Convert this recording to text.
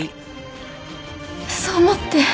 そう思って。